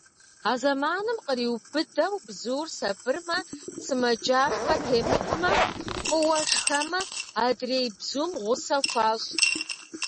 А зэманым къриубыдэу бзур сабырмэ, сымаджафэ темытмэ, фӏыуэ шхэмэ, адрей бзум гъусэ хуащӏ.